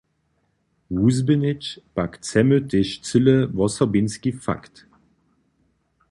Wuzběhnyć pak chcemy tež cyle wosobinski fakt.